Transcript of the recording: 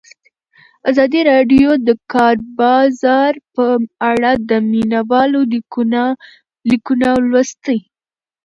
ازادي راډیو د د کار بازار په اړه د مینه والو لیکونه لوستي.